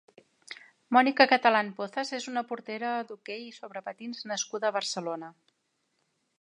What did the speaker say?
Mònica Catalán Pozas és una portera d’hoquei sobre patins nascuda a Barcelona.